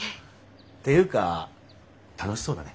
ていうか楽しそうだね。